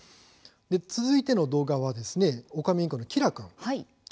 続いての動画はオカメインコのキラ君です。